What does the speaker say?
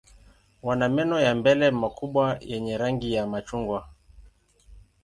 Wana meno ya mbele makubwa yenye rangi ya machungwa.